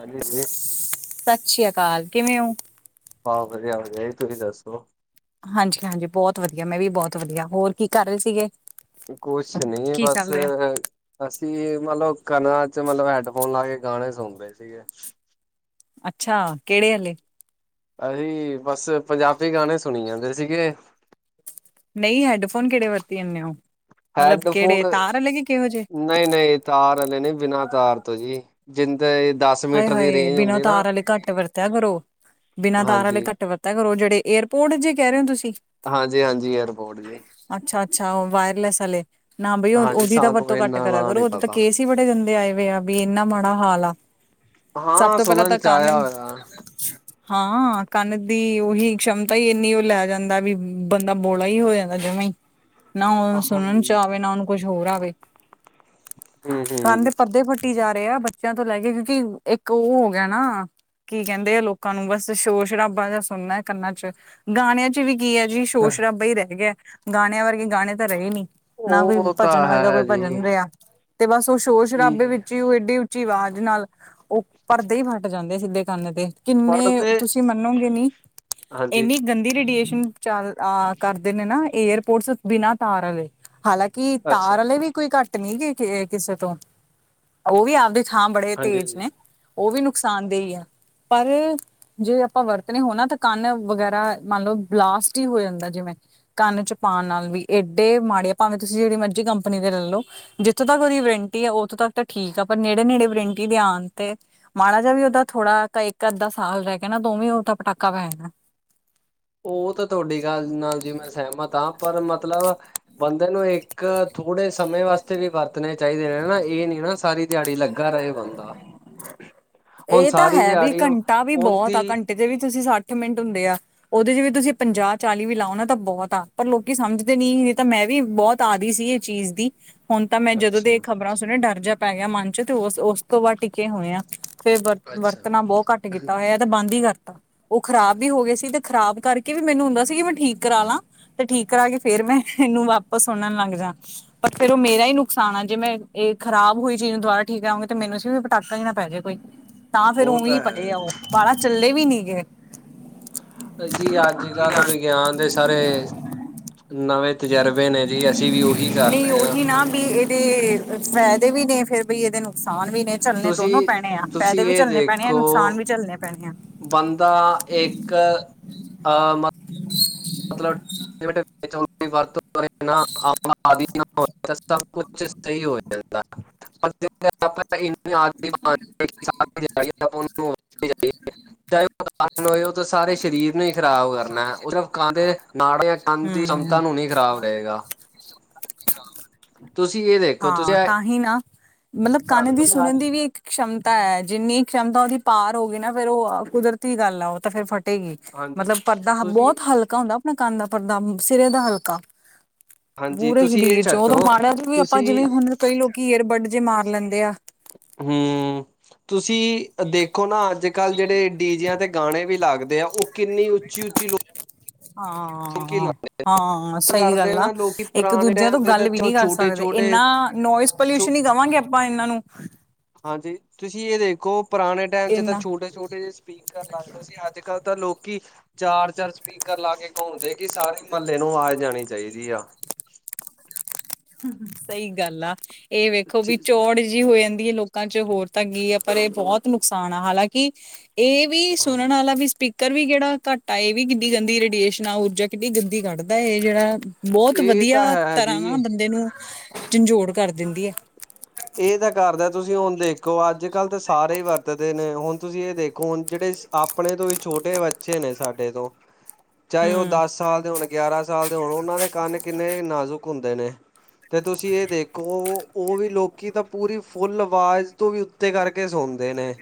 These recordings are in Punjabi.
ਹਾਂਜੀ, ਹਾਂਜੀ ਸਤਿ ਸ੍ਰੀਆ ਕਾਲ ਕਿਵੇਂ ਹੋ? ਬਾਹ ਵਧੀਆ ਵਧੀਆ ਤੁਸੀਂ ਦੱਸੋ? ਹਾਂਜੀ, ਹਾਂਜੀ ਬੌਤ ਵਧੀਆ ਮੈਂ ਵੀ ਬੌਤ ਵਧੀਆ ਹੋਰ ਕੀ ਕਰ ਰਹੇ ਸੀਗੇ। ਕੁਛ ਨਹੀਂ ਕੀ ਬਸ ਚੱਲ ਰਿਹਾ? ਅਸੀਂ ਮਲਬ ਕਨਾ ਚ ਮਲਬ ਹੈਡਫੋਨ ਲਾ ਕੇ ਗਾਣੇ ਸੁਣਦੇ ਸੀਗੇ। ਅੱਛਾ ਕਿਹੜੇ ਆਲੇ। ਅਸੀਂ ਬਸ ਪੰਜਾਬੀ ਗਾਣੇ ਸੁਣੀ ਜਾਂਦੇ ਸੀਗੇ। ਨਹੀਂ ਹੈਡਫੋਨ ਕਿਹੜੇ ਵਰਤੀ ਜਾਂਨੇ ਓ ਮਲਬ ਹੈਡਫੋਨ ਕਿਹੜੇ ਤਾਰ ਆਲੇ ਕਿ ਕਿਹੋ ਹੋਜੇ ਨਹੀਂ, ਨਹੀਂ ਤਾਰ ਆਲੇ ਨੀ ਬਿਨਾਂ ਤਾਰ ਤੋਂ ਜੀ ਜਿੰਦੇ ਦਸ ਹਾਏ, ਮੀਟਰ ਦੀ ਹਾਏ ਰੇਂਜ ਬਿਨਾਂ ਹੁੰਦੀ ਨਾ ਤਾਰ ਆਲੇ ਘੱਟ ਵਰਤਿਆ ਕਰੋ। ਬਿਨਾਂ ਤਾਰ ਆਲੇ ਹਾਂਜੀ ਘੱਟ ਵਰਤਿਆ ਕਰੋ, ਜਿਹੜੇ ਏਅਰਪੋਰਟ ਜੇ ਕਹਿ ਰਹੇ ਓ ਤੁਸੀ ਹਾਂਜੀ ਹਾਂਜੀ ਏਅਰਪੋਰਟ ਜੀ ਅੱਛਾ, ਅੱਛਾ ਉਹ ਵਾਇਰਲੈਸ ਆਲੇ ਨਾ ਬਈ ਹਾਂਜੀ ਉਹਦੀ ਤਾਂ ਸਾਨੂੰ ਵਰਤੋਂ ਘੱਟ ਇਨਾ ਕਰਿਆ ਨਾਂ ਨੀ ਕਰੋ ਉਹਦੇ ਤਾਂ ਪਤਾ ਕੇਸ ਬੜੇ ਗੰਦੇ ਆਏ ਹੋ ਆ ਵੀ ਇੰਨਾ ਮਾੜਾ ਹਾਲ ਆ। ਸਭ ਹਾਂ ਤੋਂ ਪਹਿਲਾਂ ਸੁਣਨ ਤਾਂ ਚ ਆਇਆ ਕੰਨ ਹੋਇਆ ਹਾਂ ਕੰਨ ਦੀ ਉਹੀ ਸਮਤਾ ਈ ਇੰਨੀ ਉਹ ਲੈ ਜਾਂਦਾ ਵੀ ਬੰਦਾ ਬੋਲਾ ਈ ਹੋ ਜਾਂਦਾ। ਹਜੇ ਮਈ ਨਾ ਉਨੂੰ ਸੁਣਨ 'ਚ ਹਾਂਜੀ ਆਵੇ ਨਾ ਉਨੂੰ ਕੁਛ ਹੋਰ ਆਵੇ, ਹੂੰ ਕੰਨ ਦੇ ਹੂੰ ਪਦੇ ਫ ਟੀ ਜਾ ਰੇ ਆ ਬੱਚੇਆਂ ਤੋਂ ਲੈ ਕੇ ਕਿਉਂਕਿ ਇਕ ਅੋ ਹੋ ਗਿਆ ਨਾ ਕੀ ਕਹਿੰਦੇ ਲੋਕਾਂ ਨੂੰ ਬਾਸ ਸ਼ੋਰ-ਸ਼ਰਾਬਾ ਜੇਆ ਸੁਣਨਾ, ਕੰਨਾਂ 'ਚ ਗਾਣੇਆਂ 'ਚ ਵੀ ਕੀ ਐ ਜੀ, ਸ਼ੋਰ-ਸ਼ਰਾਬਾ ਈ ਰੈ ਗੇਆ, ਗਾਣੇਆਂ ਵਰਗੇ ਗਾਣੇ ਤਾਂ ਰਹੇ ਨੀ। ਨਾ ਕੋਈ ਉਹ ਤਾਂ ਭਜਨ ਦਾ ਹੈ ਕੋਈ ਭਜਨ ਜੀ ਰੇਹਾ ਤੇ ਬਾਸ ਉਹ ਸ਼ੋਰ-ਸ਼ਰਾਬੇ ਕੀ ਵਿੱਚ ਹੀ ਅੋ ਏਡੀ। ਉੱਚੀ ਆਵਾਜ਼ ਨਾਲ ਅੋ ਪਰਦੇ ਈ ਫਾਟ ਜਾਂਦੇ, ਸਿੱਧੇ ਕੰਨ ਦੇ। ਕਿੰਨੇ ਪੜ੍ਹਦੇ ਤੁਸੀਂ ਮੰਨੋਗੇ ਨੀ, ਹਾਂਜੀ ਏਨੀ ਗੰਦੀ ਰੇਡੀਏਸ਼ਨ 'ਚਾਲ ਆ ਕਰ। ਦਿਨੇ ਨਾ ਏਅਰਪੋਰਟਸ ਬਿਨਾਂ ਤਾਰ ਵਾਲੇ, ਹਾਲਾਂਕਿ ਅੱਛਾ ਤਾਰ ਵਾਲੇ ਵੀ। ਕੋਈ ਘੱਟ ਨੀ ਗੇ ਕਿਸੇ ਤੋਂ, ਓ ਵੀ ਆਪਦੀ ਥਾਂ ਬੜੇ ਹਾਂਜੀ ਤੇਜ਼ ਹਾਂਜੀ ਨੇ। ਓ ਵੀ ਨੁਕਸਾਨ ਦੇਈ ਆ ਪਰ। ਜੇ ਅਪਾਂ ਵਰਤਣੇ ਹੋ ਨਾ ਤਾਂ ਕੰਨ ਵਗੈਰਾ ਮੰਨ ਲਓ ਬਲਾਸਟ ਹੀ ਹੋ ਜਾਂਦਾ, ਜਿਵੇਂ। ਕੰਨ 'ਚ ਪਾਣ ਨਾਲ ਵੀ ਏਡੇ ਮਾੜੇ, ਭਾਵੇਂ ਤੁਸੀਂ ਜੇੜੀ ਮਰਜ਼ੀ ਕੰਪਨੀ ਦੇ ਲੈ ਲੋ। ਜਿੱਥੋਂ ਤੱਕ ਉਦੀ ਵਰੰਟੀ ਆ ਉੱਥੋਂ ਤੱਕ ਤਾਂ ਠੀਕ ਆ ਪਰ ਨੇੜੇ-ਨੇੜੇ ਵਰੰਟੀ ਦੇ ਆਣ 'ਤੇ। ਮਾੜਾ ਜਾਵੀ ਉਦਾ ਥੋੜਾ ਇੱਕ-ਅੱਧਾ ਸਾਲ ਰੈ ਗਿਆ ਨਾ, ਦੋਵੇਂ ਉਦਾ ਪਟਾਕਾ ਪੈ ਜਾਣਾ। ਉਹ ਤਾਂ ਤੁਹਾਡੀ ਗੱਲ ਨਾਲ ਜੀ ਮੈਂ ਸੈਮਤ ਹਾਂ, ਪਰ ਮਤਲਬ ਬੰਦੇ ਨੂੰ ਏਕ ਥੋੜੇ ਸਮੇਂ ਵਾਸੇ। [unintelligible] ਵੀ ਵਰਤਣੇ ਚਾਹੀਦੇ ਨੇ ਨਾ ਏ ਨੀ ਨਾ ਸਾਰੀ ਦਿਹਾੜੀ ਲੱਗਾ ਰਹੇ ਬਣਦਾ। ਇਹ ਤਾਂ ਹੈ ਵੀ, ਘੰਟਾ ਵੀ ਬਹੁਤ ਉਹਦੀ ਆ। ਘੰਟੇ ਦੇ ਵੀ ਸੱਠ ਮਿੰਟ ਹੁੰਦੇ ਆ। ਉਦੇ 'ਚ ਵੀ ਤੁਸੀਂ ਪੰਜਾਹ-ਚਾਲੀ ਵੀ ਲਾਓ ਨਾ ਤਾਂ ਬੋਤ ਆ ਪਰ ਲੋਕੀ ਸਮਝਦੇ ਨਹੀਂ ਤਾਂ ਮੈਂ ਵੀ ਬੋਤ ਆਦੀ ਸੀ ਚੀਜ਼ ਦੀ। ਹੁਣ ਤਾਂ ਮੈਂ ਜਦੋਂ ਅੱਛਾ ਦੇ ਖ਼ਬਰਾਂ ਸੁਣੇ ਡਾਰ ਜਾ ਪੈ ਗਿਆ ਮਾਨ 'ਚ, ਤੇ ਉਸ ਉਸ ਤੋਂ ਬਾਅਦ ਟਿੱਕੇ ਹੋਏ ਆ। ਫਿਰ ਅੱਛਾ ਵਰਤਣਾ ਬੋਤ ਘੱਟ ਕੀਤਾ ਹੋਇਆ। ਬੰਦ ਹੀ ਕਰਤਾ ਉਹ ਖ਼ਰਾਬ ਵੀ ਹੋ ਗਏ ਸੀ, ਤੇ ਖਰਾਬ ਕਰਕੇ ਵੀ ਮੈਨੂੰ ਹੁੰਦਾ ਸੀ ਬਟ ਠੀਕ ਕਰ ਲਾ ਤੇ ਠੀਕ ਕਰਾ ਕੇ ਫਿਰ ਮੈਂ ਏਨੂੰ ਵਾਪਸ ਸੁਣਨ ਲੱਗ ਜਾ। ਪਰ ਫਿਰ ਉਹ ਮੇਰਾ ਹੀ ਨੁਕਸਾਨ ਆ। ਜੇ ਮੈਂ ਏ ਖਰਾਬ ਹੋਈ ਚੀਜ਼ ਨੂੰ ਦੁਬਾਰਾ ਠੀਕ ਕਰਾ ੳਗੀ ਤੇ ਮੈਨੂੰ ਸੀਂ ਵੀ ਪਟਾਕਾ ਹੀ ਨਾ ਪੈ ਜੇ ਕੋਈ। ਤਾਂ ਫਿਰ ਉਹ ਉਵੇਂ ਤਾਂ ਪੱਲੇ ਹੈ ਉਹ ਜੀ ਬਾਹਾਂ ਚੱਲੇ ਵੀ ਨੀ ਗਏ। ਅੱਜ ਕੱਲ ਵਿਗਿਆਨ ਦੇ ਸਾਰੇ। ਨਵੇਂ ਤਜਰਬੇ ਨੇ ਜੀ ਅਸੀਂ ਵੀ ਉਹੀ ਕਰ ਨਹੀਂ ਰਹੇ ਹਾਂ ਉਹੀ ਨਾ ਵੀ ਏ। ਤੇ ਫੈਦੇ ਵੀ ਨੇ ਫਿਰ ਬਈ ਏਦੇ ਨੁਕਸਾਨ ਵੀ ਨੇ ਚੱਲਣੇ ਦੋਨੋ ਤੁਸੀਂ ਪੈਣੇ ਆ। ਤੁਸੀਂ ਫੈਦੇ ਵੀ ਚੱਲਣੇ ਪੈਣੇ ਆ ਨੁਕਸਾਨ ਵੀ ਚੱਲਣੇ ਪੈਣੇ ਆ। ਹੁੰਦਾ ਇੱਕ ਆ। ਮਤਲਬ [unintelligible] ਕੁਛ ਸਈ ਹੋ ਜਾਂਦਾ। [unintelligible] [unintelligible] ਚਾਹੇ ਉਹ ਹੋਏ ਉਹ ਤਾਂ ਸਾਰੇ ਸਰੀਰ ਨੇ। ਖ਼ਰਾਬ ਕਰਨਾ ਉਸ ਕੰਨ ਦੇ ਨਾੜੇ ਕੰਨ ਦੀ ਸਮਤਾ ਹੂੰ। ਨੂੰ ਨੀ ਖ਼ਰਾਬ ਰਹੇਗਾ। ਇਹ ਦੇਖੋ ਤੁਸੀਂ ਹਾਂ, ਇਹ ਤਾਂ ਹੀ ਨਾ। ਮਤਲਬ, ਛੱਡ ਕੰਨ ਦੀ ਦਿਓ ਸੁਣਨ ਦੀ ਵੀ ਇੱਕ ਸਮਤਾ ਹੈ ਜਿੰਨੀ ਸਮਤਾ ਉਦੀ ਪਾਰ ਹੋ ਗਈ ਨਾ ਫਿਰ ਉਹ ਕੁਦਰਤੀ ਗੱਲ ਆ ਉਹ ਤਾਂ ਫਿਰ ਫਟ ਫੱਟੇਗੀ ਹਾਂਜੀ ਮਤਲਬ ਪਰਦਾ ਤੁਸੀਂ ਬੋਤ ਹਲਕਾ ਹੁੰਦਾ। ਆਪਣੇ ਕੰਨ ਦਾ ਪਰਦਾ ਸਿਰੇ ਦਾ ਹਲਕਾ। ਹਾਂਜੀ ਪੂਰੇ ਤੁਸੀਂ ਇਹ ਸਰੀਰ 'ਚੋ ਛੱਡੋ ਮਾੜਾ ਜੀ ਵੀ ਆਪਾਂ ਤੁਸੀਂ ਜਿਵੇਂ ਹੁਣ ਕਈ ਲੋਕੀ ਏਅਰਬੱਡ ਜੇ ਮਾਰ ਲੈਂਦੇ ਆ। ਹੂੰ, ਤੁਸੀਂ ਦੇਖੋ ਨਾ ਅੱਜ ਅੱਜ ਕੱਲ ਜਿਹੜੇ ਡੀਜੇ ਆਂ 'ਤੇ ਗਾਣੇ ਵੀ ਲੱਗਦੇ ਆ, ਅੋ ਕਿੰਨੀ ਉੱਚੀ-ਉੱਚੀ ਲੋ ਹਾਂ-ਹਾਂ, ਸਈ ਕਰਦੇ ਗੱਲ ਆ। ਨਾ ਲੋਕੀ ਇੱਕ ਪੁਰਾਣੇ -ਦੂਜਿਆਂ ਤੋਂ ਟਾਈਮ ਦੇ ਗੱਲ ਵੀ ਤਾਂ ਨਹੀਂ ਕਰ ਛੋਟੇ ਸਕਦੇ ਛੋਟੇ ਏਨਾ ਨੋਇਜ਼ ਪੋਲਊਸ਼ਨ ਹੀ ਕਵਾਂਗੇ ਆਪਾਂ ਇਨ੍ਹਾਂ ਨੂੰ। ਹਾਂਜੀ ਤੁਸੀਂ ਏ ਦੇਖੋ ਪੁਰਾਣੇ ਟਾਈਮ ਚ ' ਤਾਂ ਇਨਾ ਛੋਟੇ-ਛੋਟੇ ਜੇ। ਪੀਕਰ ਲਾਂਦੇ ਸੀ, ਆੱਜ-ਕਾੱਲ੍ਹ ਤਾਂ ਲੋਕੀ ਚਾਰ-ਚਾਰ ਸਪੀਕਰ ਲਾ ਕੇ ਘੁੰਮਦੇ ਕਿ ਸਾਰੀ ਮਲੇ ਨੂੰ ਵਾਜ਼ ਜਾਣੀ ਚਾਈਦੀ ਆ। ਸਈ ਗੱਲ ਆ ਏ ਵੇਖੋ ਵੀ ਚੌੜ ਏ ਹੋ ਜਾਂਦੀ ਆ ਲੋਕਾਂ 'ਚ ਹੋਰ ਤਾਂ ਕੀ ਆ ਪਰ ਏ ਬਹੁਤ ਨੁਕਸਾਨ ਆ ਹਾਲਾਂਕਿ ਏ ਵੀ ਹਾਂਜੀ ਸੁਣਨ ਵਾਲਾ ਵੀ ਸਪੀਕ ਸਪੀਕਰ ਵੀ ਕੇੜਾ ਘੱਟਾ ਆ, ਏ ਵੀ ਕਿੱਡੀ ਗੰਦੀ ਰਡੇਸ਼ਨਾ ਊਰਜਾ ਕਿੱਡੀ ਗੰਦੀ ਕੱਢਦਾ ਏ ਜੇੜਾ ਬੋਤ ਇਹ ਵੱਧੀਆ ਤਾਂ ਹੈ ਜੀ ਤਰ੍ਹਾਂ ਨਾ ਬੰਦੇ ਨੂੰ ਝੰਜੋੜ ਕਰ ਦਿੰਦੀ ਆ। ਏ ਤਾਂ ਕਰਦਾ ਤੁਸੀਂ ਹੁਣ ਦੇਖੋ ਅੱਜ -ਕੱਲ ਤਾਂ ਸਾਰੇ ਈ ਵਰਤਦੇ ਨੇ ਹੁਣ ਤੁਸੀਂ ਏ ਦੇਖੋ ਹੁਣ ਜੇੜੇ ਆਪਣੇ ਤੋਂ ਵੀ ਛੋਟੇ ਬੱਚੇ ਨੇ ਸਾਡੇ ਤੋਂ ਹੂੰ! ਚਾਏ ਓ ਦਸ ਸਾਲ ਦੇ ਹੋਣ, ਗਿਆਰਾਂ ਸਾਲ ਦੇ ਹੋਣ, ਓਨਾਂ ਦੇ ਕੰਨ ਕਿੰਨੇ ਨਾਜ਼ੁਕ ਹੁੰਦੇ ਨੇ। ਤੇ ਤੁਸੀਂ ਏ ਦੇਖੋ ਓ ਵੀ ਲੋਕੀ ਤਾਂ ਪੂਰੀ ਫੁੱਲ ਆਵਾਜ਼ ਓਤੋਂ ਵੀ ਉੱਤੇ ਕਰਕੇ ਸੁਣਦੇ ਨੇ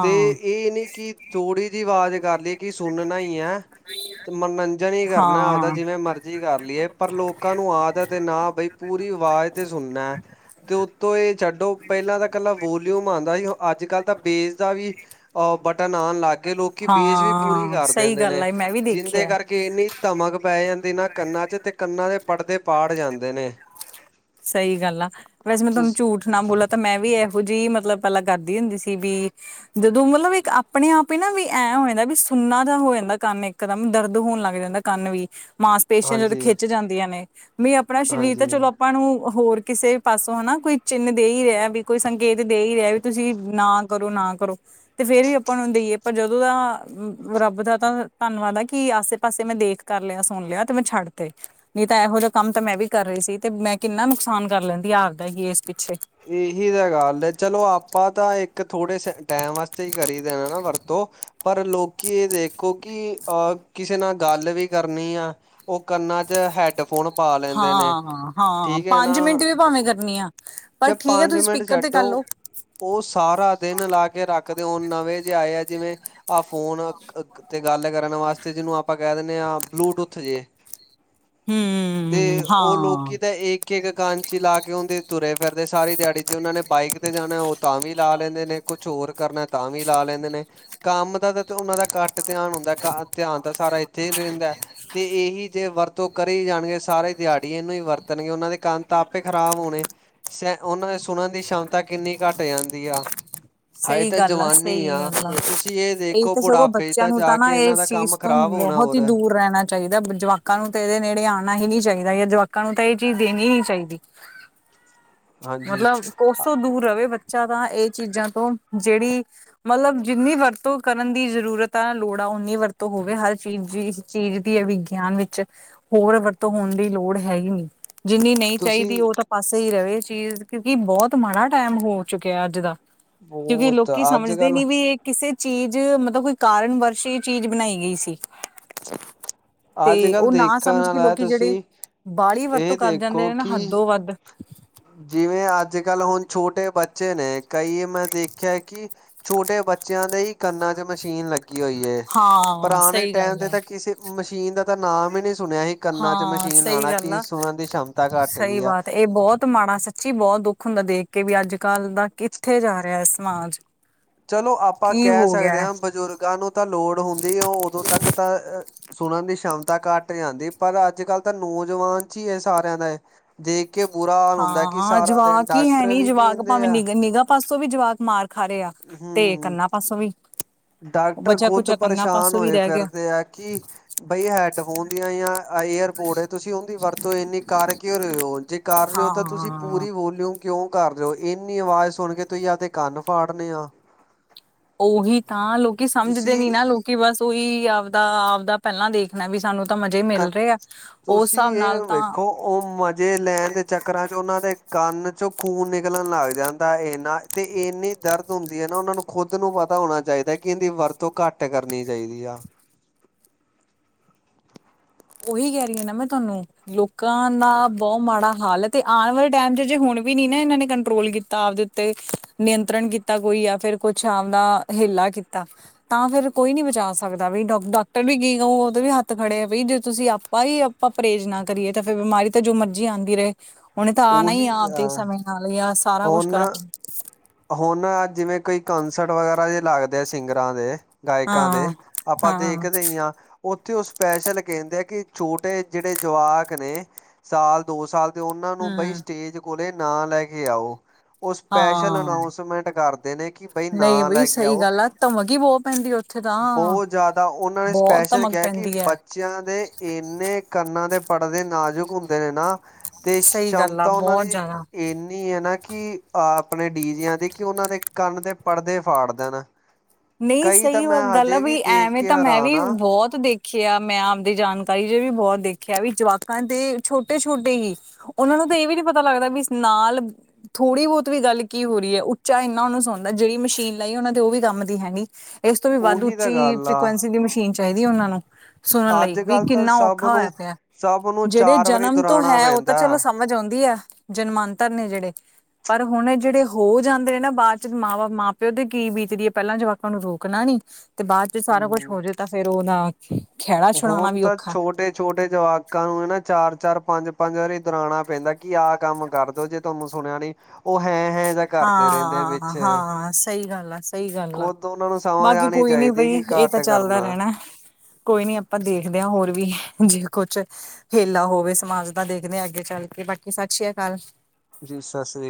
ਤੇ ਏ ਨੀ ਕਿ ਥੋੜ੍ਹੀ ਜੀ ਵਾਜ਼ ਕਰ ਲਈਏ ਕਿ ਸੁਣਨਾ ਈ ਆ, ਮਨੋਰੰਜਨ ਈ ਕਰਨਾ ਆਪਦਾ ਹਾਂ ਜਿਵੇਂ ਮਰਜ਼ੀ ਮਰਜ਼ੀ ਕਰ ਲਈਏ ਪਰ ਲੋਕਾਂ ਨੂੰ ਆਦਤ ਏ ਨਾ ਬਈ ਪੂਰੀ ਆਵਾਜ਼ ਤੇ ਸੁਣਨਾ। ਤੇ ਉੱਤੋਂ ਏ ਛੱਡੋ ਪੇਲਾਂ ਤਾਂ ਕੱਲਾ ਵੋਲਿਊਮ ਆਂਦਾ ਸੀ ਓ ਅੱਜ- ਕੱਲ੍ਹ ਤਾਂ ਬੇਸ ਦਾ ਵੀ ਅਹ ਬਟਨ ਆਣ ਲੱਗ ਗਏ ਲੋਕੀਂ ਬੇਸ ਵੀ ਪੂਰੀ ਹਾਂ, ਕਰ ਸਹੀ ਦਿੰਦੇ ਗੱਲ ਨੇ ਆ, ਮੈਂ ਵੀ ਜਿੰਦੇ ਦੇਖਿਆ। ਕਰਕੇ ਕਿ ਇੰਨੀ ਧਮਕ ਪੈ ਜਾਂਦੀ ਨਾ ਕੰਨਾਂ 'ਚ ਤੇ ਕੰਨਾਂ ਦੇ ਪਰਦੇ ਪਾਟ ਜਾਂਦੇ ਨੇ। ਸਈ ਗੱਲ ਆ ਵੈਸੇ ਮੈਂ ਤੁਆਨੂੰ ਤੁਸ ਝੂਠ ਨਾ ਬੋਲਾ ਤਾਂ ਮੈਂ ਵੀ ਐਹੋ ਜੇਈ ਮਤਲਬ ਪੇਲਾਂ ਕਰਦੀ ਹੁੰਦੀ ਸੀ ਵੀ ਜਦੋਂ ਮਤਲਬ ਇੱਕ ਆਪਣੇ ਆਪ ਹੀ ਨਾ ਵੀ ਐਂ ਹੋ ਜਾਂਦਾ ਵੀ ਸੁਨਾ ਜਿਹਾ ਹੋ ਜਾਂਦਾ ਕੰਨ ਇੱਕ ਇਕਦੱਮ ਦਰਦ ਹੋਣ ਲੱਗ ਜਾਂਦਾ ਕੰਨ ਵੀ ਮਾਸ ਪੇਸ਼ਿਆਂ ਜਦ ਹਾਂਜੀ ਖਿੱਚ ਜਾਂਦੀਆਂ ਨੇ ਵੀ ਆਪਣਾ ਸ਼ਰੀਰ ਤਾਂ ਹਾਂਜੀ। ਚਲੋ ਆਪਾਂ ਨੂੰ ਹੋਰ ਕਿਸੇ ਪਾਸੋਂ ਹਨਾ ਕੋਈ ਚਿੰਨ੍ਹ ਦੇ ਈ ਰੇਆ ਵੀ ਕੋਈ ਸੰਕੇਤ ਦੇ ਈ ਰੇਆ ਵੀ ਤੁਸੀਂ ਨਾ ਕਰੋ, ਨਾ ਕਰੋ। ਤੇ ਫੇਰ ਵੀ ਆਪਾਂ ਨੂੰ ਦੇਈਏ ਪਰ ਜਦੋਂ ਦਾ ਰੱਬ ਦਾ ਤਾਂ ਧੰਨਵਾਦ ਆ ਕਿ ਆਸੇ- ਪਾਸੇ ਮੈਂ ਦੇਖ ਕਰ ਲੇਆ- ਸੁਣ ਲੇਆ ਤੇ ਮੈਂ ਛੱਡ ਤੇ ਨਈ ਤਾਂ ਐਹੋ ਜੇਆ ਕੰਮ ਤਾਂ ਮੈਂ ਵੀ ਕਰ ਰਈ ਸੀ। ਤੇ ਮੈਂ ਕਿੰਨਾ ਨੁਕਸਾਨ ਕਰ ਲੇਂਦੀ ਆਵਦਾ ਕਿ ਏਸ ਪਿੱਛੇ। ਏਹੀ ਤਾਂ ਗੱਲ ਐ ਚਲੋ ਆਪਾਂ ਤਾਂ ਇੱਕ ਥੋੜੇ ਸਟਾਏਮ ਵਾਸਤੇ ਈ ਕਰੀ ਦਾ ਨਾ ਵਰਤੋਂ ਪਰ ਲੋਕੀਂ ਏ ਦੇਖੋ ਕਿ ਅਹ ਕਿਸੇ ਨਾਲ ਗੱਲ ਵੀ ਕਰਨੀ ਆ ਓ ਕੰਨਾਂ 'ਚ ਹੈਡਫੋਨ ਪਾ ਲੇਂਦੇ ਨੇ ਹਾਂ ਠੀਕ ਐ ਨਾ ਮੀਆ ਜਾ ਪੰਜ ਮਿੰਟ ਛੱਡੋ ਓ ਸਾਰਾ ਦਿਨ ਲਾ ਕੇ ਰੱਖਦੇ ਹੁਣ ਨਵੇਂ ਜੇਏ ਆਏ ਆ ਜਿਵੇਂ ਆਹ ਫ਼ੋਨ ਤੇ ਗੱਲ ਕਰਨ ਵਾਸਤੇ ਜਿਨੂੰ ਆਪਾਂ ਕੈ ਦਿੰਦੇ ਹਾਂ ਬਲੂਟੂਥ ਜੇ। ਤੇ ਹਮ ਓ ਲੋਕੀ ਹਾਂ ਤਾਂ ਇੱਕ ਇੱਕ- ਇੱਕ ਕੰਨ ਚ ਲਾ ਕੇ ਓ ਤੇ ਤੁਰੇ ਫਿਰਦੇ ਸਾਰੀ ਦਿਆੜੀ ਜੇ ਓਨਾਂ ਨੇ ਬਾਈਕ ਤੇ ਜਾਣਾ ਓ ਤਾਂ ਵੀ ਲਾ ਲੇਂਦੇ ਨੇ ਕੁਛ ਹੋਰ ਕਰਨਾ ਤਾਂ ਵੀ ਲਾ ਲੇਂਦੇ ਨੇ। ਕੰਮ ਦਾ ਤੇ ਓਨਾ ਦਾ ਘੱਟ ਧਿਆਨ ਹੁੰਦਾ, ਧਿਆਨ ਤਾਂ ਸਾਰਾ ਇੱਥੇ ਈ ਰੇਂਦਾ। ਤੇ ਏਹੀ ਜੇ ਵਰਤੋਂ ਕਰੇ ਜਾਣਗੇ ਸਾਰੇ ਦਿਆੜੀ ਏਨੂੰ ਈ ਵਰਤਣਗੇ ਓਨਾਂ ਦੇ ਕੰਨ ਤਾਂ ਆਪੇ ਖ਼ਰਾਬ ਹੋਣੇ। ਸ ਉਹਨਾਂ ਦੇ ਸੁਣਨ ਦੀ ਸ਼ਨਤਾਂ ਕਿੰਨੀ ਘੱਟ ਜਾਂਦੀ ਆ। ਹਜੇ ਸਹੀ ਤਾਂ ਗੱਲ ਜਵਾਨੀ ਸਹੀ ਆ ਗੱਲ ਤੁਸੀਂ ਏ ਇਹ ਦੇਖੋ ਤਾਂ ਸਗੋਂ ਬੁਢਾਪੇ 'ਚ ਤਾਂ ਜਾ ਕੇ ਏਨਾਂ ਦਾ ਕੰਮ ਖ਼ਰਾਬ ਹੋਣਾ। ਬੋਹਤ ਈ ਹੋਰ ਦੂਰ ਰੈਣਾ ਚਾਈਦਾ ਜਵਾਕਾਂ ਨੂੰ ਤਾਂ ਏਦੇ ਨੇੜੇ ਆਣਾ ਹੀ ਨਈ ਚਾਈਦਾ ਜਾਂ ਜਵਾਕਾਂ ਨੂੰ ਤਾਂ ਏ ਚੀਜ਼ ਦੇਣੀ ਨੀ ਚਾਈਦੀ। ਹਾਂਜੀ ਮਤਲਬ ਕੋਸੋ ਦੂਰ ਰਵੇ ਬੱਚਾ ਤਾਂ ਏ ਚੀਜ਼ਾਂ ਤੋਂ ਜਿਹੜੀ। ਮਤਲਬ ਜਿੰਨੀ ਵਰਤੋਂ ਕਰਨ ਦੀ ਜ਼ਰੂਰਤ ਆ ਲੋੜਾਂ ਉਨੀ ਵਰਤੋਂ ਹੋਵੇ ਹਰ ਚੀਜ਼ ਦੀ। ਚੀਜ਼ ਦੀ [unintelligible] ਵਿਗਿਆਨ ਵਿੱਚ ਹੋਰ ਵਰਤੋਂ ਹੋਣ ਦੀ ਲੋੜ ਹੈ ਹੀ ਨਹੀਂ। ਜਿੰਨੀ ਨਹੀਂ ਚਾਹੀਦੀ ਤੁਸੀਂ ਉਹ ਤਾਂ ਪਾਸੇ ਹੀ ਰਵੇ ਚੀਜ਼ ਕਿਉਂਕਿ ਬਹੁਤ ਮਾੜਾ ਟਾਈਮ ਹੋ ਚੁੱਕਿਆ ਅੱਜ ਦਾ। ਕਿਉਂਕਿ ਬਹੁਤ ਲੋਕੀਂ ਅੱਜ ਸਮਝਦੇ ਕੱਲ ਨੀ ਵੀ ਇਹ। ਕਿਸੇ ਚੀਜ਼ ਮਤਲਬ ਕੋਈ ਕਾਰਨ ਵਰਸ਼ ਚੀਜ਼ ਬਣਾਈ ਗਈ ਸੀ। ਤੇ ਅੱਜ ਕੱਲ ਉਹ ਨਾ ਦੇਖਣ ਸਮਝ ਕੇ ਵਾਲਾ ਲੋਕੀਂ ਜਿਹੜੀ ਤੁਸੀਂ ਬਾਲੀ ਵਰਤੋਂ ਇਹ ਕਰ ਜਾਂਦੇ ਦੇਖੋ ਨੇ ਨਾ ਕਿ ਹੱਦੋ ਵੱਧ। [unintelligible] ਜਿਵੇਂ ਅੱਜ ਕੱਲ੍ਹ ਹੁਣ ਛੋਟੇ ਬੱਚੇ ਬੱਚੇ ਨੇ, ਕਈ ਮੈਂ ਦੇਖਿਆ ਕਿ ਛੋਟੇ ਬੱਚਿਆਂ ਦੇ ਹੀ ਕੰਨਾਂ ਤੇ ਮਸ਼ੀਨ ਲੱਗੀ ਹੋਈ ਹੈ, ਹਾਂ ਪੁਰਾਣੇ ਸਹੀ ਟਾਈਮ ਗੱਲ ਤੇ ਆ ਤਾਂ ਕਿਸੇ ਮਸ਼ੀਨ ਦਾ ਤਾਂ ਨਾਮ ਹੀ ਨਹੀਂ ਸੁਣਿਆ ਸੀ, ਹੀ ਕੰਨਾਂ ਚ ਹਾਂ ਮਸ਼ੀਨ ਸਹੀ ਲਾਉਣਾ ਗੱਲ ਕਿ ਆ ਸੁਨਣ ਦੀ ਸ਼ਮਤਾ ਘੱਟ ਸਹੀ ਗਈ ਆ। ਬਾਤ ਇਹ ਬਹੁਤ ਮਾੜਾ ਸੱਚੀ ਬਹੁਤ ਦੁੱਖ ਹੁੰਦਾ ਦੇਖ ਕੇ ਵੀ ਅੱਜ ਕੱਲ੍ਹ ਦਾ ਕਿੱਥੇ ਜਾ ਰਿਹਾ ਹੈ ਸਮਾਜ ਚਲੋ ਆਪਾਂ ਕੀ ਕਹਿ ਹੋ ਗਿਆ ਸਕਦੇ ਹੈ ਹਾਂ, ਬਜ਼ੁਰਗਾਂ ਨੂੰ ਤਾਂ ਲੋੜ ਹੁੰਦੀ ਉਹ ਉਦੋਂ ਤੱਕ ਤਾਂ ਸੁਣਨ ਦੀ ਸ਼ਮਤਾ ਘੱਟ ਜਾਂਦੀ ਹੈ, ਪਰ ਅੱਜ ਕੱਲ੍ਹ ਤਾਂ ਨੌਜਵਾਨ ਚ ਹੀ ਹੈ ਸਾਰਿਆਂ ਦਾ ਦੇਖ ਕੇ ਬੁਰਾ ਹਾਲ ਹੁੰਦਾ ਕਿ, ਹਾਂ ਸਾਰਾ ਦਿਨ ਜਵਾਕ ਹੀ ਹੈ ਡਾਕਟਰ ਨੀ ਵੀ ਕੀ ਜਵਾਕ ਕਹਿੰਦੇ ਭਾਵੇਂ ਆ। ਨਿ ਨਿਗਾਹ ਪਾਸੋਂ ਵੀ ਜਵਾਕ ਮਾਰ ਖਾ ਰਹੇ ਆ, ਤੇ ਹੂੰ ਕੰਨਾ ਪਾਸੋਂ ਵੀ ਡਾਕਟਰ ਬਚਾ ਖੁਦ ਕੁਚਾ ਕੰਨਾਂ ਪਰੇਸ਼ਾਨ ਪਾਸੋਂ ਵੀ ਹੋਏ ਰਹਿ ਗਿਆ ਫਿਰਦੇ ਆ ਕਿ ਬਈ ਹੈਡਫੋਨ ਦੀਆਂ, ਯਾ ਈਅਰਪੋਡ ਹੈ ਤੁਸੀਂ ਉਹਦੀ ਵਰਤੋਂ ਇੰਨੀ ਕਰ ਕਿਉਂ ਰਹੇ ਹੋ। ਜੇ ਜੇ ਕਰ ਰਹੇ ਹੋ ਤਾਂ ਤੁਸੀਂ ਹਾਂ ਪੂਰੀ ਵੋਲਿਊਮ ਕਿਉਂ ਕਰ ਰਹੇ ਹੋ, ਇੰਨੀ ਆਵਾਜ਼ ਸੁਣ ਕੇ ਤੁਸੀਂ ਆਪਦੇ ਕੰਨ ਫਾੜ [unintelligible] ਉਹੀ ਤਾਂ ਲੋਕੀ ਸਮਝਦੇ ਤੁਸੀਂ ਨੀ ਨਾ, ਲੋਕੀ ਬਸ ਉਹੀ ਆਪਦਾ ਆਪਦਾ ਪਹਿਲਾਂ ਦੇਖ ਵੀ ਸਾਨੂੰ ਤਾਂ ਮਜ਼ੇ ਹੀ ਮਿਲ ਕ ਰਹੇ ਆ, ਉਸ ਤੁਸੀਂ ਹਿਸਾਬ ਇਹ ਨਾਲ ਤਾਂ ਵੇਖੋ ਉਹ ਮਜ਼ੇ ਲੈਣ ਦੇ' ਚੱਕਰਾਂ ਚ ਉਹਨਾਂ ਦੇ ਕੰਨ 'ਚ ਖੂਨ ਨਿਕਲਣ ਲੱਗ ਜਾਂਦਾ। ਇਹਨਾਂ ਤੇ ਇੰਨੀ ਦਰਦ ਹੁੰਦੀ ਹੈ, ਨਾ ਉਹਨਾਂ ਨੂੰ ਖੁਦ ਨੂੰ ਪਤਾ ਹੋਣਾ ਚਾਹੀਦਾ ਕਿ ਇਹਦੀ ਵਰਤੋਂ ਘੱਟ ਕਰਨੀ ਚਾਹੀਦੀ ਆ, ਉਹੀ ਕਹਿ ਰਹੀ ਹ ਨਾ ਮੈਂ ਤੁਹਾਨੂੰ ਲੋਕਾਂ ਦਾ ਬਹੁਤ ਮਾੜਾ ਹਾਲ ਹੈ। ਤੇ ਆਉਣ ਵਾਲੇ ਟਾਈਮ ਚ ਜੇ ਹੁਣ ਵੀ ਨਹੀ ਨਾ ਇਹਨਾਂ ਨੇ ਕੰਟਰੋਲ ਕੀਤਾ ਆਪਦੇ ਉੱਤੇ ਨਿਯੰਤਰਣ ਕੀਤਾ ਤਾ ਕੋਈ ਆ ਫਿਰ ਕੁਛ [unintelligible] ਦਾ ਹੇਲਾ ਕੀਤਾ। ਤਾਂ ਫਿਰ ਕੋਈ ਨੀ ਬਚਾ ਸਕਦਾ, ਵੀ ਡਾ ਡਾਕਟਰ ਵੀ ਕੀ ਕਹੁ ਉਹ ਉਹਦੇ ਵੀ ਹੱਥ ਖੜੇ ਹੈ ਬਈ ਜ ਤੁਸੀਂ ਆਪਾਂ ਹੀ ਆਪਾਂ ਪਰੇਜ਼ ਨਾ ਕਰੀਏ, ਤਾਂ ਫਿਰ ਬਿਮਾਰੀ ਤਾਂ ਜੇੜੀ ਮਰਜੀ ਆਉਂਦੀ ਰਹੇ। ਉਹਨੇ ਤਾਂ ਆਣਾ ਹੀ ਉਹੀ ਆਪਦੇ ਅ ਸਮੇਂ ਨਾਲ, ਯਾ ਸਾਰਾ ਕੁਛ ਹੁਣ ਕਰਨਗੇ। ਹੁਣ ਜਿਵੇਂ ਕੋਈ ਕੌਸੰਟ ਵਗੈਰਾ ਜੇ ਲੱਗਦੇ ਆ ਸਿੰਗਰਾਂ ਦੇ ਗਾਇਕਾਂ ਦੇ ਹਾਂ ਆਪਾਂ ਹਾਂ ਦੇਖਦੇ ਹੀ ਹਾਂ। ਉੱਥੇ ਉਹ ਸਪੈਸ਼ਲ ਕਹਿੰਦੇ ਆ, ਕਿ ਛੋਟੇ ਜਿਹੜੇ ਜਵਾਕ ਨੇ ਸਾਲ ਦੋ ਸਾਲ ਤੇ ਉਹਨਾਂ ਨੂੰ ਬਈ ਹਮ ਸਟੇਜ ਕੋਲੇ ਨਾ ਲੈ ਕੇ ਆਓ, ਉਹ ਸਪੈਸ਼ਲ ਸਪੈਸ਼ਲ ਹਾਂ ਅਨਾਊਸਮੈਂਟ ਕਰਦੇ ਨੇ ਕਿ ਬਾਈ ਨਹੀਂ ਨਾ ਲੈ ਬਈ ਕੇ ਸਹੀ ਆਓ। ਗੱਲ ਆ ਧਮਕ ਹੀ ਬਹੁਤ ਪੈਂਦੀ ਉੱਥੇ ਤਾਂ ਬਹੁਤ ਜ਼ਿਆਦਾ ਉਹਨਾਂ ਨੇ ਬਹੁਤ ਸਪੈਸ਼ਲ ਧਮਕ ਕੈ, ਕੇ ਪੈਂਦੀ ਹੈ ਬੱਚਿਆਂ ਦੇ ਇੰਨੇ ਕੰਨਾਂ ਦੇ ਪੜ੍ਹਦੇ ਨਾਜ਼ੁਕ ਹੁੰਦੇ ਨੇ ਨਾ, ਤੇ ਸਹੀ ਗੱਲ ਆ ਸ਼ਮਤਾ ਉਹਨਾਂ ਬਹੁਤ ਦੀ ਜ਼ਿਆਦਾ ਇੰਨੀ ਹੈ ਨਾ, ਕਿ ਆਪ ਆਪਣੇ ਡਿਜਿਆ ਦੀ ਕਿ ਉਹਨਾਂ ਦੇ ਕੰਨ ਦੇ ਪੜਦੇ ਫਾੜ ਦੇਣ। ਨਹੀਂ, ਕਈ ਤਾਂ ਸਹੀ ਮੈਂ ਗੱਲ ਹੈ, ਹਜੇ ਵੀ ਦੇਖ ਐਵੇਂ ਕੇ ਤਾਂ ਮੈਂ ਹੈਰਾਨ ਵੀ ਆ ਬਹੁਤ ਦੇਖ ਦੇਖੇ ਆ ਮੈਂ ਆਪਦੀ ਜਾਣਕਾਰੀ ਚ ਵੀ ਬਹੁਤ ਦੇਖਿਆ ਹੈ, ਬਈ ਜਵਾਕਾਂ ਤੇ ਛੋਟੇ ਛੋਟੇ ਹੀ। ਉਹਨਾਂ ਨੂੰ ਤਾਂ ਇਹ ਵੀ ਨੀ ਪਤਾ ਲੱਗਦਾ ਵੀ ਨਾਲ ਥੋੜ੍ਹੀ ਬਹੁਤ ਵੀ ਗੱਲ ਕੀ ਹੋ ਰਹੀ ਹੈ, ਉੱਚਾ ਇੰਨਾ ਓਨੂੰ ਸੁਣਦਾ, ਜਿਹੜੀ ਮਸ਼ੀਨ ਲਾਈ ਉਹਨਾਂ [unintelligible] ਉਹ ਵੀ ਕੰਮ ਕੰਮ ਦੀ ਹੈ ਹੀਂ, ਇਸ ਤੋਂ ਵੀ ਵੱਧ ਉਹੀ ਤਾਂ ਉੱਚੀ ਗੱਲ ਆ ਫਰੀਕਵੈਂਸੀ ਦੀ ਮਸ਼ੀਨ ਚਾਹੀਦੀ ਹੈ ਉਹਨਾਂ ਨੂੰ। ਸੁਨਨ ਲਈ ਅੱਜ ਵੀ ਕੱਲ ਤਾਂ ਕਿੰਨਾ ਸਭ ਔਖਾ ਹੋਇਆ ਨੂੰ ਪੇਆ, ਸਭ ਨੂੰ ਜਿਹੜੇ ਚਾਰ ਵਾਰੀ ਜਨਮ ਤੋਂ ਦੁਹਰਾਣਾ ਹੈ ਉਹ ਤਾਂ ਪੈਂਦਾ ਚਲੋ ਸਮ ਸਮਝ ਆਉਂਦੀ ਐ ਜਨਮਾਂਤਰ ਨੇ ਜਿਹੜੇ ਪਰ ਹੁਣ ਜਿਹੜੇ ਹੋ ਜਾਂਦੇ ਨੇ ਬਾਅਦ ਚ ਮਾਂ ਬਾਪ ਮਾਂ ਪਿਓ ਤੇ ਕੀ ਬੀਤ ਦੀਏ ਪਹਿਲਾਂ ਜਵਾਕਾ ਨੂੰ ਰੋਕਣਾ ਨੀ, ਤੇ ਬਾਅਦ ਚ ਸਾਰਾ ਕੁੱਛ ਹੂੰ ਹੋ ਜੇ, ਤਾਂ ਫੇਰ ਉਹਦਾ ਖਹਿੜਾ ਛੁਡਾਉਣਾ ਵੀ ਔਖਾ ਛੋਟੇ ਜਵਾਕਾਂ ਨੂੰ ਨਾ ਚਾਰ ਚਾਰ, ਪੰਜ ਪੰਜ, ਵਾਰੀ ਦੋਰਾਉਣਾ ਪੈਂਦਾ ਕੀ ਆਹ ਕੰਮ ਕਰਦੋ, ਜੇ ਤੁਹਾਨੂੰ ਸੁਨਿਆ ਨੀ ਉਹ ਹੈਂ ਹੈਂ, ਜਾਂ ਕਰਦੇ ਰਹਿੰਦੇ ਹਾਂ ਵਿੱਚ ਹਾਂ ਸਹੀ ਗੱਲ ਐ ਸਹੀ ਗੱਲ ਐ ਨੂੰ ਸਮਝ ਬਾਕੀ ਆਣੀ ਕੋਈ ਨੀ ਚਾਹੀਦੀ ਬਈ ਕਿ ਇਹ ਘੱਟ ਤਾਂ ਚੱਲਦਾ ਕਰਨਾ ਰਹਿਣਾ ਕੋਈ ਨੀ ਆਪਾਂ ਦੇਖਦੇ ਹਾਂ ਹੋਰ ਵੀ ਜੇ ਕੁਛ ਹੇਲਾ ਹੋਵੇ ਸਮਾਜ ਦਾ ਦੇਖਦੇ ਆ ਅੱਗੇ ਚੱਲ ਕੇ ਬਾਕੀ ਸਤਿ ਸ੍ਰੀ ਅਕਾਲ ਜੀ ਸਸਿ ਸ਼੍ਰੀ